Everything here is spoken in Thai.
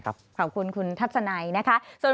ขอบคุณคุณทัศนัยนะคะ